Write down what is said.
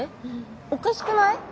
おかしくない？